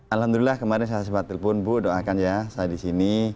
alhamdulillah kemarin saya sempat telepon bu doakan ya saya di sini